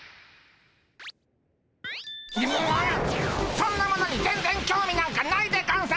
そんなものに全然興味なんかないでゴンス！